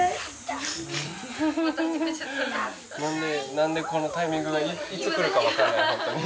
何でこのタイミングがいつくるか分かんない本当に。